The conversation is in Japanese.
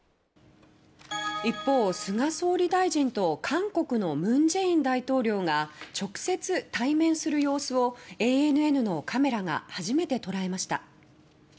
一方、菅総理大臣と韓国の文在寅大統領が直接対面する様子をＡＮＮのカメラが初めて捉えました。